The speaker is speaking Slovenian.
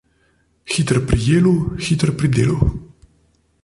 Hiter pri jelu, hiter pri delu.